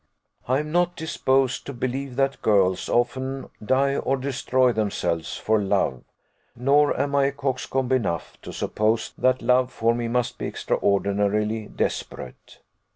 I am not disposed to believe that girls often die or destroy themselves for love; nor am I a coxcomb enough to suppose that love for me must be extraordinarily desperate.